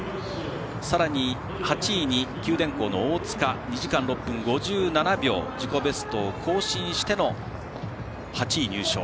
さらに８位に九電工の大塚２時間６分５７秒自己ベストを更新しての８位入賞。